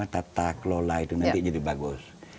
tata kelola itu nanti jadi bagus